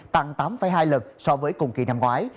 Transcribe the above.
tăng tám hai lần so với cùng kỳ năm ngoái